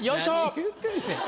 何を言うてんねん。